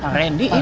pak randy im